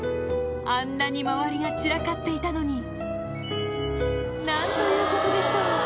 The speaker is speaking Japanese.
あんなに周りが散らかっていたのに何ということでしょう